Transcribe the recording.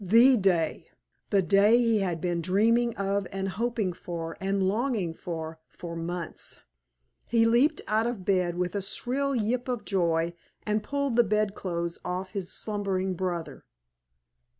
The Day! The day he had been dreaming of and hoping for and longing for for months! He leaped out of bed with a shrill yip of joy and pulled the bedclothes off his slumbering brother.